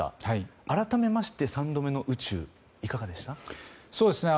改めまして３度目の宇宙いかがでした？